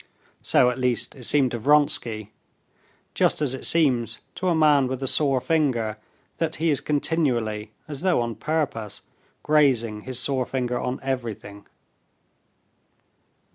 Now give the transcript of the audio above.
So at least it seemed to Vronsky, just as it seems to a man with a sore finger that he is continually, as though on purpose, grazing his sore finger on everything.